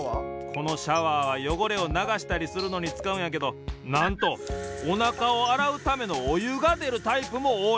このシャワーはよごれをながしたりするのにつかうんやけどなんとおなかをあらうためのおゆがでるタイプもおおい。